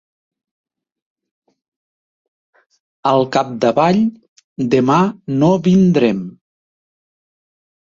Al capdavall demà no vindrem.